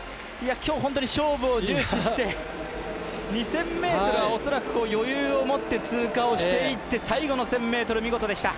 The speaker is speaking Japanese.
今日、本当に勝負を重視して２０００ｍは恐らく余裕を持って通過をしていって最後の１０００ｍ見事でした。